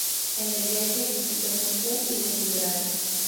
En el viaje visitó Moscú y Leningrado.